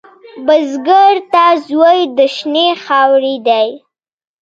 بزګر ته زوی د شنې خاورې دی